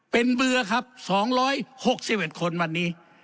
เป็นเบื่อครับ๒๖๑คนวันนี้